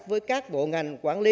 với các bộ ngành quản lý